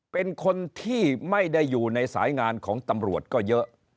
เป็นคนที่ไม่ได้อยู่ในสายงานของตำรวจก็เยอะ